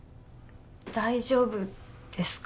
大丈夫ですか？